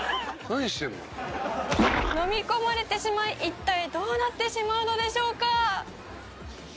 「のみ込まれてしまい一体どうなってしまうのでしょうか？」